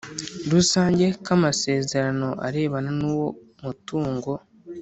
rusange k amasezerano arebana n uwo mutungo